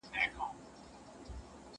ولسي جرګه به د وزيرانو راپورونه اوري.